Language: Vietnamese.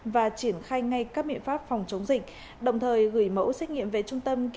và triển khai ngay các biện pháp phòng chống dịch